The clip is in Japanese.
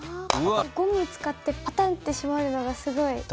ゴム使ってパタンってしまるのがすごい。